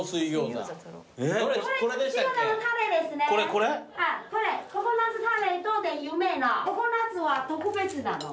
ココナツは特別なの。